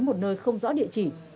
một nơi không rõ địa chỉ